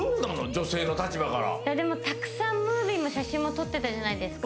女性の立場からいやでもたくさんムービーも写真も撮ってたじゃないですか